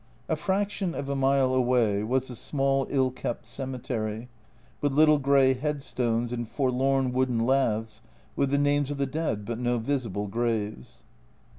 A fraction of a mile away was the small ill kept cemetery, with little grey headstones and forlorn wooden laths with the names of the dead, but no visible graves.